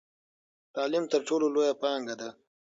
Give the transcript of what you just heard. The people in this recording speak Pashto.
تعلیم تر ټولو لویه پانګه ده.